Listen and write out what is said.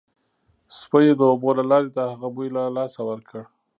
سپیو د اوبو له لارې د هغه بوی له لاسه ورکړ